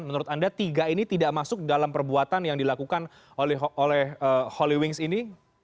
menurut anda tiga ini tidak masuk dalam perbuatan yang dilakukan oleh holy wings ini